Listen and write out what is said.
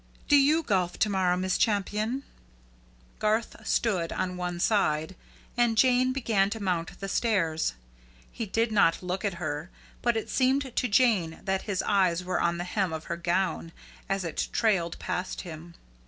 Do you golf to morrow, Miss Champion?" Garth stood on one side, and Jane began to mount the stairs. He did not look at her, but it seemed to Jane that his eyes were on the hem of her gown as it trailed past him.